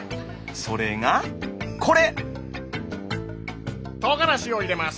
それがこれ！